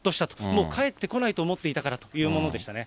もう返ってこないと思っていたからというものでしたね。